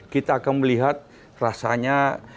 kita akan melihat rasanya